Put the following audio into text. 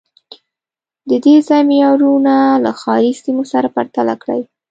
د دې ځای معیارونه له ښاري سیمو سره پرتله کړئ